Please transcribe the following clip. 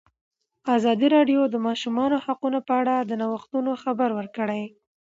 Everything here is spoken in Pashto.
ازادي راډیو د د ماشومانو حقونه په اړه د نوښتونو خبر ورکړی.